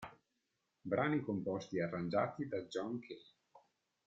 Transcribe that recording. Brani composti e arrangiati da John Cale